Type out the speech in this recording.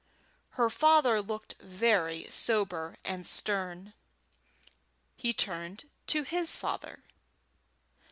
Her father looked very sober and stern. He turned to his father.